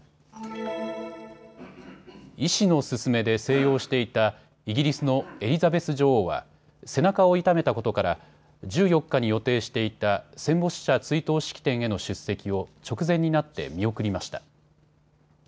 医師の勧めで静養していたイギリスのエリザベス女王は背中を痛めたことから１４日に予定していた戦没者追悼式典への出席を直前になって見送りました。